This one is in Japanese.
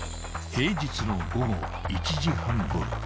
［平日の午後１時半ごろ］